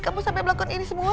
kamu sampai melakukan ini semua